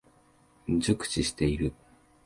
熟知している。